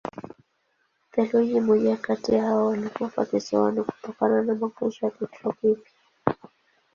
Theluji moja kati hao walikufa kisiwani kutokana na magonjwa ya kitropiki.